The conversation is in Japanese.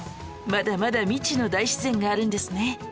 まだまだ未知の大自然があるんですね